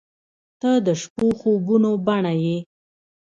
• ته د شپو خوبونو بڼه یې.